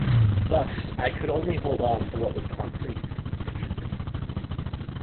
Thus I could only hold on to what was concrete in the pictures.